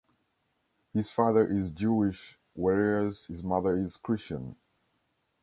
His father is Jewish, whereas his mother is Christian.